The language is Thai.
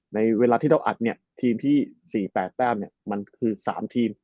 เวลาที่เราอัดเนี่ยทีมที่๔๘แต้มเนี่ยมันคือ๓ทีม